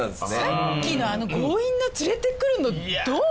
さっきのあの強引な連れてくるのどう？